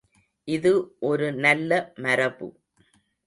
இது ஒரு நல்ல மரபு.